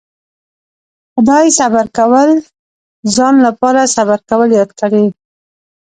خدای صبر خپل ځان لپاره صبر کول ياد کړي.